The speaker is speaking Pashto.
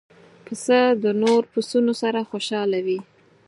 پسه د نور پسونو سره خوشاله وي.